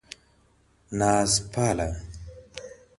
نازپاله